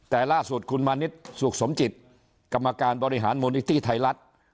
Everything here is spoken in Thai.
แต่ล่าสุดคุณมานิดสุขสมจิตกรรมการบริหารมูลนิธิไทยรัฐ